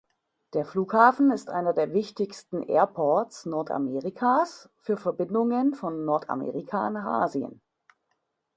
Der Flughafen ist einer der wichtigsten Airports Nordamerikas für Verbindungen von Nordamerika nach Asien.